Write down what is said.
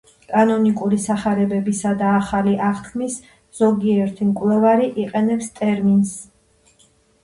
კანონიკური სახარებებისა და ახალი აღთქმის ზოგიერთი მკვლევარი იყენებს ტერმინს